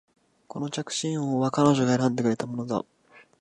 この着信音は彼女が選んでくれたものだ